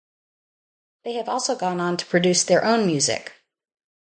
They have also gone on to produce their own music.